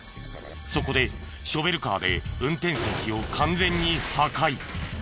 そこでショベルカーで運転席を完全に破壊。